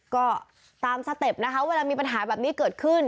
ก็ตามสเต็ปนะคะเวลามีปัญหาแบบนี้เกิดขึ้น